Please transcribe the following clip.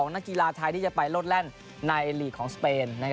นักกีฬาไทยที่จะไปโลดแล่นในหลีกของสเปน